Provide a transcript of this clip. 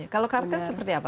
kalau karsten seperti apa